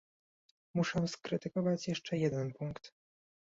Muszę skrytykować jeszcze jeden punkt